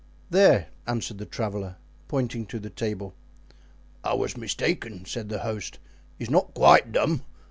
"There," answered the traveler, pointing to the table. "I was mistaken," said the host, "he's not quite dumb.